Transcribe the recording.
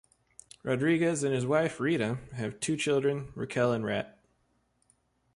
Rodriguez and his wife, Rita, have two children, Raquel and Rhett.